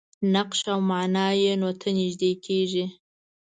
نقش او معنا یې نو ته نژدې کېږي.